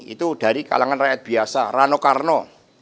itu dari kalangan rakyat biasa rano karno